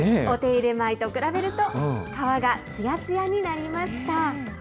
お手入れ前と比べると、革がつやつやになりました。